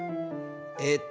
えっと